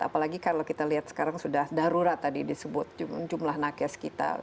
apalagi kalau kita lihat sekarang sudah darurat tadi disebut jumlah nakes kita